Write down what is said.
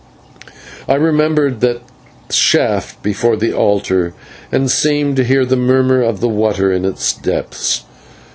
I remembered that shaft before the altar, and seemed to hear the murmur of the water in its depths!